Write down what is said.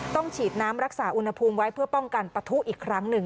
ฉีดน้ำรักษาอุณหภูมิไว้เพื่อป้องกันปะทุอีกครั้งหนึ่ง